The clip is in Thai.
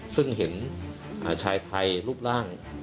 ซึ่งเห็นชายไทยรูปร่าง